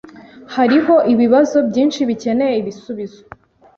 Hariho ibibazo byinshi bikeneye ibisubizo.